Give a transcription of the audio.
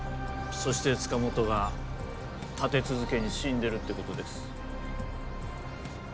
そして塚本が立て続けに死んでるって事です。